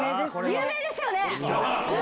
有名ですよね！